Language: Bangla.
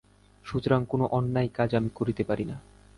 সুতরাং কোন অন্যায় কাজ আমি করিতে পারি না।